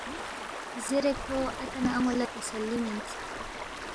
زیرے کھو اتا نہ ان٘و لہ تسلّی مِنس